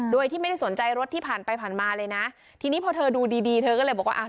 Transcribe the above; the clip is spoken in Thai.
โดยที่ไม่ได้สนใจรถที่ผ่านไปผ่านมาเลยนะทีนี้พอเธอดูดีดีเธอก็เลยบอกว่าอ่ะ